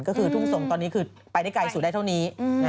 ก็คือทุ่งสงศ์ตอนนี้คือไปได้ไกลสุดได้เท่านี้